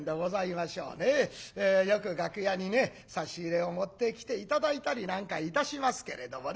よく楽屋に差し入れを持ってきて頂いたりなんかいたしますけれどもね